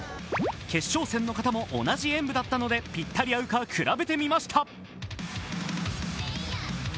決勝戦の形も同じ演武だったのでピッタリ合うか比べてみました。